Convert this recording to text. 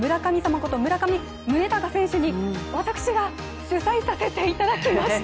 こと村上宗隆選手に私が取材させていただきました。